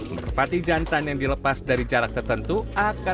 merpati jantan yang dilepas dari jarak tertentu akan berjalan